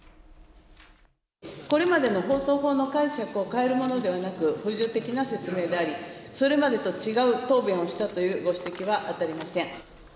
これまでの放送法の解釈を変えるものではなく、補助的な説明であり、それまでと違う答弁をしたというご指摘は当たりません。